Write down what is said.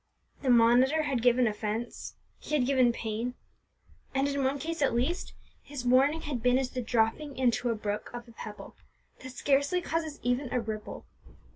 The monitor had given offence, he had given pain, and in one case, at least, his warning had been as the dropping into a brook of a pebble, that scarcely causes even a ripple.